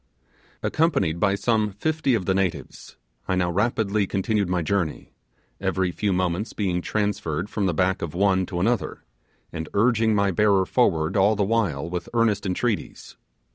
Accompanied by some fifty of the natives, I now rapidly continued my journey; every few moments being transferred from the back of one to another, and urging my bearer forward all the while with earnest entreaties.